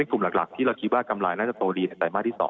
กลุ่มหลักที่เราคิดว่ากำไรน่าจะโตดีในไตรมาสที่๒